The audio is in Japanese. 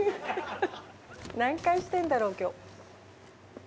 何回してんだろう今日。